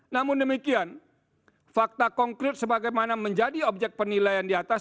namun demikian fakta konkret sebagaimana menjadi objek penilaian di atas